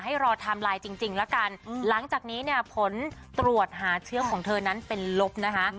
รอไทม์ไลน์จริงแล้วกันหลังจากนี้เนี่ยผลตรวจหาเชื้อของเธอนั้นเป็นลบนะคะ